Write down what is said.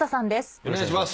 よろしくお願いします。